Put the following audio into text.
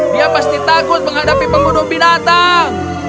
dia pasti takut menghadapi pembunuh binatang